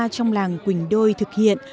trong làng quỳnh đôi thực hiện